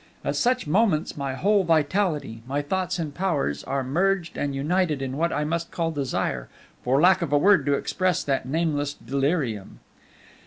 At such moments my whole vitality, my thoughts and powers, are merged and united in what I must call desire, for lack of a word to express that nameless delirium.